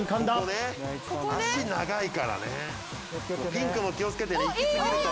ピンクも気をつけてね行きすぎると。